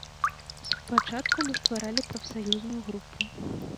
Спачатку мы стваралі прафсаюзную групу.